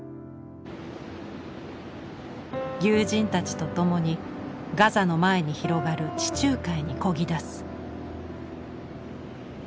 友人たちと共にガザの前に広がる地中海にこぎだす。